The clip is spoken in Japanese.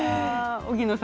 荻野さん